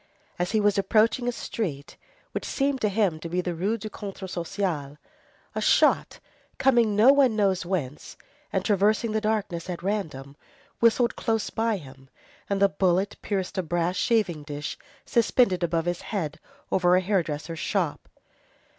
As he was approaching a street which seemed to him to be the Rue du Contrat Social, a shot coming no one knows whence, and traversing the darkness at random, whistled close by him, and the bullet pierced a brass shaving dish suspended above his head over a hairdresser's shop.